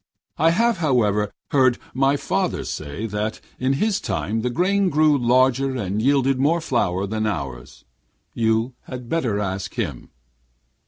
I have, however, heard my father say that in his time the grain grew larger and yielded more flour than ours. You had better ask him.'